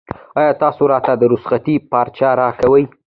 ایا تاسو راته د رخصتۍ پارچه راکوئ؟